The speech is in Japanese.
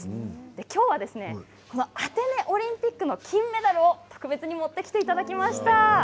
きょうはアテネオリンピックの金メダルを特別に持ってきていただきました。